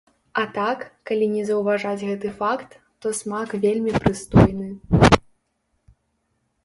А так, калі не заўважаць гэты факт, то смак вельмі прыстойны.